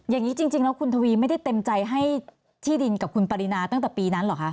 อย่างนี้จริงแล้วคุณทวีไม่ได้เต็มใจให้ที่ดินกับคุณปรินาตั้งแต่ปีนั้นเหรอคะ